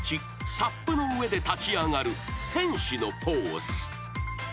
［ＳＵＰの上で立ち上がる戦士のポーズ］